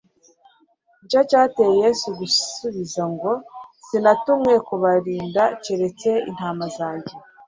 nicyo cyateye Yesu gusubiza ngo : Sinatumwe ku barinda keretse intama zazimiye